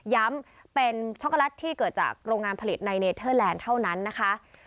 ย้ำเป็นช็อกโกแลตที่เกิดจากโรงงานผลิตในเนเทอร์แลนด์เท่านั้นนะคะ